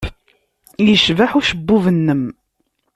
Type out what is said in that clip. Yecbeḥ ucebbub-nnem.